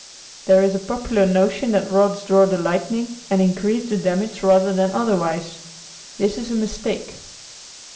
There is a popular notion that rods draw the lightning and increase the damage rather than otherwise. This is a mistake.